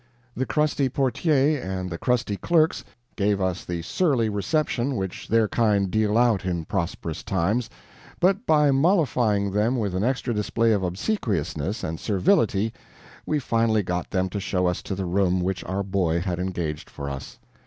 The crusty portier and the crusty clerks gave us the surly reception which their kind deal out in prosperous times, but by mollifying them with an extra display of obsequiousness and servility we finally got them to show us to the room which our boy had engaged for us.